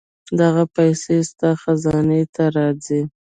دغه پېسې ستا خزانې ته راځي.